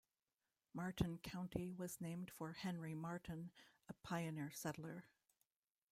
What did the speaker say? Martin County was named for Henry Martin, a pioneer settler.